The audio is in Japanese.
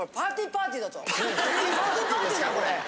パーティーパーティーですかこれ？